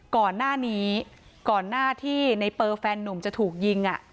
ก่อนหน้านี้ก่อนหน้าที่ในเปอร์แฟนนุ่มจะถูกยิง